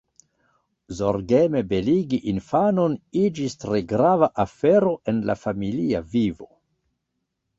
Zorgeme beligi infanon iĝis tre grava afero en la familia vivo.